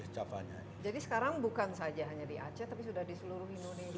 jadi sekarang bukan saja hanya di aceh tapi sudah di seluruh indonesia